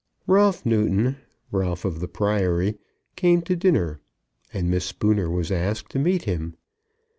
Ralph Newton, Ralph of the Priory, came to dinner, and Miss Spooner was asked to meet him.